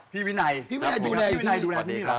บอสมัยดูแลท่ีนี้ครับ